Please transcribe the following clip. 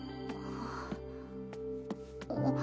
あっ。